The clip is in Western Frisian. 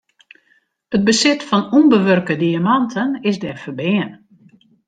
It besit fan ûnbewurke diamanten is dêr ferbean.